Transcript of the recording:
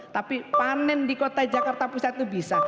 tapi panen di kota jakarta pusat itu bisa